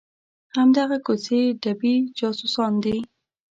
همدغه کوڅې ډبي جاسوسان دي.